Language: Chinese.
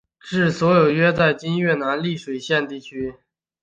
治所约在今越南丽水县地区。